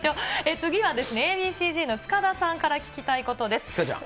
次はＡ．Ｂ．ＣーＺの塚田さんから聞きたいことです。